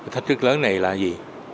thách trức lớn này là gì